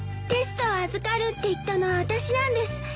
テストを預かるって言ったのは私なんです。